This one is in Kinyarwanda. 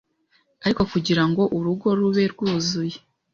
Ariko kugira ngo urugo rube rwuzuye